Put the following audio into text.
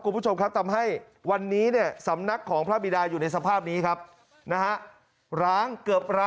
คุณผู้ชมครับทำให้วันนี้เนี่ยสำนักของพระบิดาอยู่ในสภาพนี้ครับนะฮะ